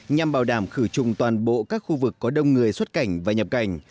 nhằm bảo đảm khử trùng toàn bộ các khu vực có đông người xuất cảnh và nhập cảnh